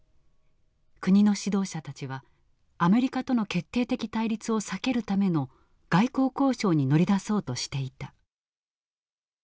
国の指導者たちはアメリカとの決定的対立を避けるための外交交渉に乗り出そうとしていた。